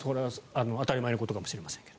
当たり前のことかもしれませんが。